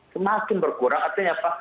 semakin berkurang artinya apa